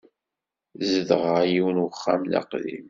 Zedɣeɣ yiwen wexxam d aqdim.